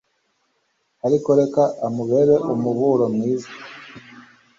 ariko reka amubere umuburo mwiza